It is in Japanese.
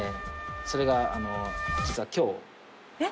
それがあの実は今日えっ？